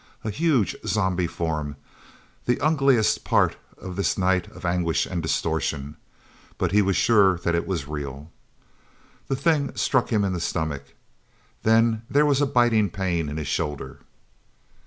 A huge, zombie form the ugliest part of this night of anguish and distortion. But he was sure that it was real. The thing struck him in the stomach. Then there was a biting pain in his shoulder...